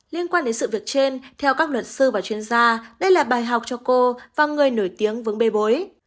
liên quan đến sự việc trên theo các luật sư và chuyên gia đây là bài học cho cô và người nổi tiếng vướng bê bối